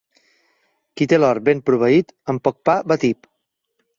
Qui té l'hort ben proveït, amb poc pa va tip.